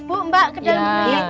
bu mbak ke dalam